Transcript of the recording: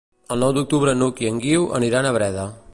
El nou d'octubre n'Hug i en Guiu aniran a Breda.